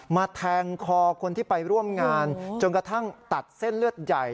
แทงคอคนที่ไปร่วมงานจนกระทั่งตัดเส้นเลือดใหญ่